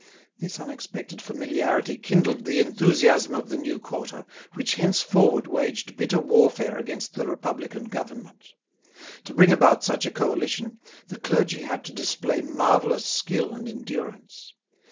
This unexpected familiarity kindled the enthusiasm of the new quarter, which henceforward waged bitter warfare against the republican government. To bring about such a coalition, the clergy had to display marvellous skill and endurance.